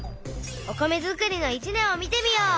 「お米づくりの一年」を見てみよう！